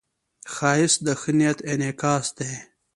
ښایست د ښه نیت انعکاس دی